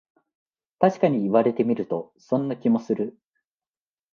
たしかに言われてみると、そんな気もする